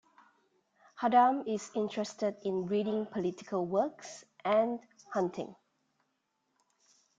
Khaddam is interested in reading political works and hunting.